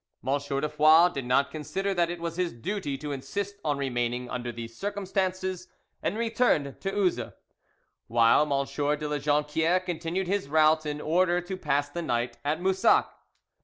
M. de Foix did not consider that it was his duty to insist on remaining under these circumstances, and returned to Uzes, while M. de La Jonquiere continued his route in order to pass the night at Moussac.